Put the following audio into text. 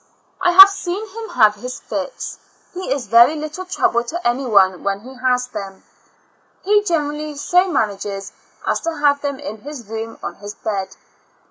I have seen him have his fits; he is very little trouble to any one when he has them; he generally so manages as to have them in his room on his bed.